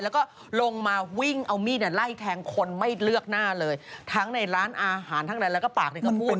แล้วก็ลงมาวิ่งเอามีดไล่แทงคนไม่เลือกหน้าเลยทั้งในร้านอาหารทั้งนั้นแล้วก็ปากที่เขาพูด